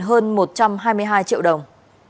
hơn một trăm hai mươi hai triệu đồng